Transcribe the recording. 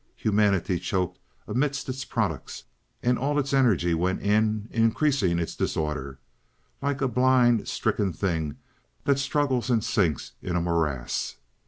Humanity choked amidst its products, and all its energy went in increasing its disorder, like a blind stricken thing that struggles and sinks in a morass.